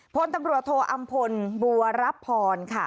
พลตำรวจโทอำพลบัวรับพรค่ะ